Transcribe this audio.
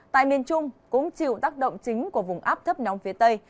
tại miền trung cũng chịu tác động chính của vùng áp thấp nóng phía tây